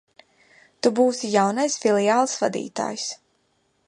Tu būsi jaunais filiāles vadītājs.